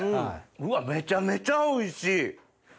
うわめちゃめちゃおいしい。